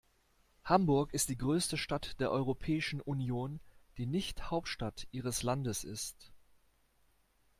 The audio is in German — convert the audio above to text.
Hamburg ist die größte Stadt der Europäischen Union, die nicht Hauptstadt ihres Landes ist.